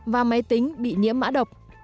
và máy tính bị nhiễm mã độc